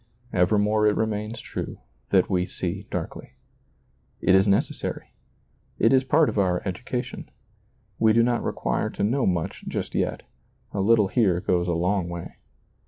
Evermore it remains true that we see darkly. It is necessary ; it is part of our education ; we do not require to know much just yet — a little here goes a long way.